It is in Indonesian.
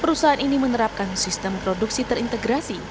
perusahaan ini menerapkan sistem produksi terintegrasi